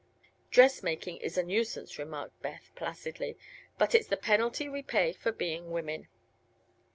"Dressmaking is a nuisance," remarked Beth, placidly; "but it's the penalty we pay for being women."